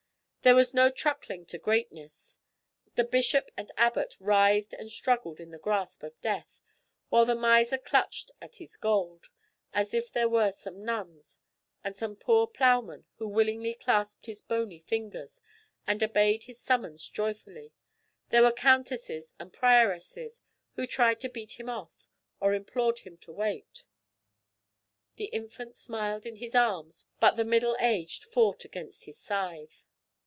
There was no truckling to greatness. The bishop and abbot writhed and struggled in the grasp of Death, while the miser clutched at his gold, and if there were some nuns, and some poor ploughmen who willingly clasped his bony fingers and obeyed his summons joyfully, there were countesses and prioresses who tried to beat him off, or implored him to wait. The infant smiled in his arms, but the middle aged fought against his scythe.